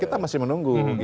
kita masih menunggu